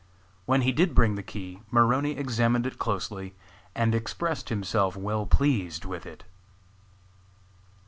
When he did bring the key Maroney examined it closely and expressed himself well pleased with it.